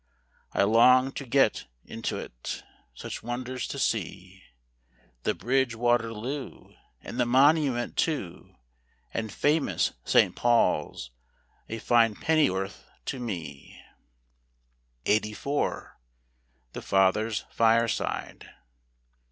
I long to get into't, such wonders to see, The bridge Waterloo, And the Monument too, And famous St. Paul's, a fine pennyworth to me. ENGLAND. 84 . The Father's Fireside